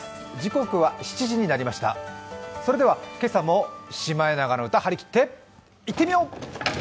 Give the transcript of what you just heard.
今朝も「シマエナガの歌」、はりきっていってみよう！